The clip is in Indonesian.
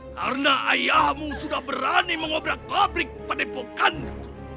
karena ayahmu sudah berani mengobrak goblik pada ibukanku